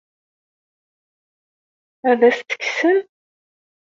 Ad as-t-kksen?